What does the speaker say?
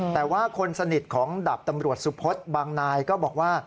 แต่ว่าคนสนิทของดาบตำรวจสุพศบางนายก็บอกว่า